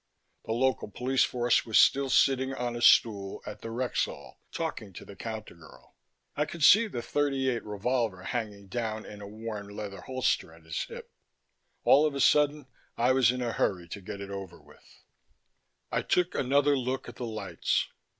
The local police force was still sitting on a stool at the Rexall talking to the counter girl. I could see the .38 revolver hanging down in a worn leather holster at his hip. All of a sudden, I was in a hurry to get it over with. I took another look at the lights.